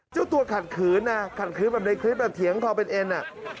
เจ้าตัวขัดขืนนะขัดขืนแบบในคลิปแบบเถียงคอเป็นเอ็นอ่ะ